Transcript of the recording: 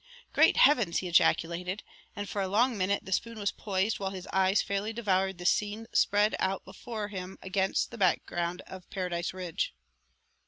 "Great heavens!" he ejaculated, and for a long minute the spoon was poised while his eyes fairly devoured the scene spread out before him against the background of Paradise Ridge.